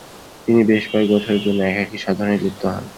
তিনি বেশ কয়েক বছরের জন্য একাকী সাধনায় লিপ্ত হন।